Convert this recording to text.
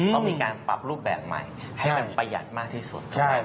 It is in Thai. ต้องมีการปรับรูปแบบใหม่ให้มันประหยัดมากที่สุด